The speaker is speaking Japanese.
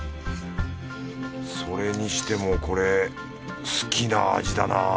それにしてもこれ好きな味だな。